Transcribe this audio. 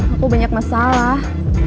aku banyak masalah